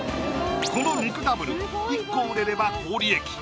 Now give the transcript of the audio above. この肉ダブル１個売れれば高利益